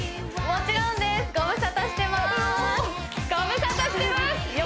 もちろんです